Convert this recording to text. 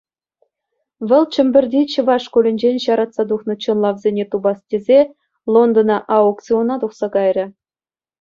Вӑл Чӗмпӗрти чӑваш шкулӗнчен ҫаратса тухнӑ чӑнлавсене тупас тесе, Лондона аукциона тухса кайрӗ.